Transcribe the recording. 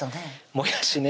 もやしね